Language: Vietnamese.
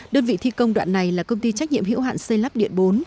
đơn vị thi công đoạn này là công ty trách nhiệm hiệu hạn xây lắp điện bốn